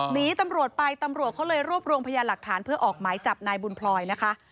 หนีตำรวจไปตำรวจเขาเลยรวบรวมพยานหลักฐานเพื่อออกหมายจับนายบุญพลอยนะคะ